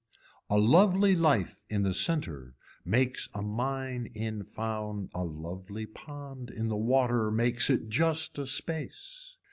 A lovely life in the center makes a mine in found a lovely pond in the water makes it just a space.